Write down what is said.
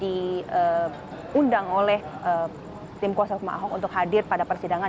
diundang oleh tim kuasa hukum ahok untuk hadir pada persidangan